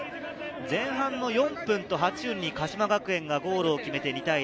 前半の４分と８分に鹿島学園がゴールを決めて２対０。